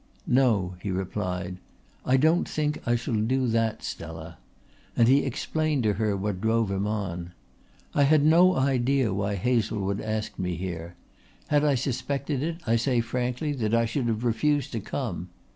"No," he replied. "I don't think I shall do that, Stella," and he explained to her what drove him on. "I had no idea why Hazlewood asked me here. Had I suspected it I say frankly that I should have refused to come.